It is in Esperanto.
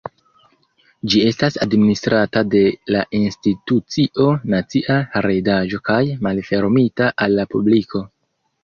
Ĝi estas administrata de la Institucio Nacia Heredaĵo kaj malfermita al la publiko.